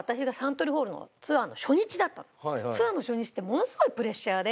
その日が私がツアーの初日ってものすごいプレッシャーで。